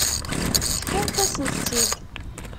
Fkant-asent-tt-id.